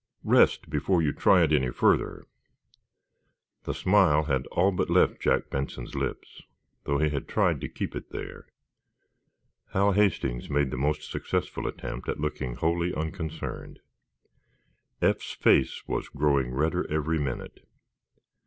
"Rest, before you try it any further." The smile had all but left Jack Benson's lips, though he tried to keep it there. Hal Hastings made the most successful attempt at looking wholly unconcerned. Eph's face was growing redder every minute.